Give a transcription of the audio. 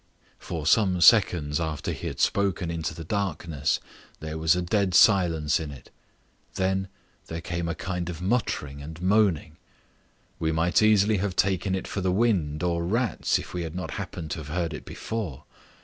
For some seconds after he had spoken into the darkness there was a dead silence in it. Then there came a kind of muttering and moaning. We might easily have taken it for the wind or rats if we had not happened to have heard it before.